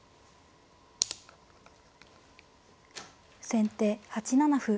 先手８七歩。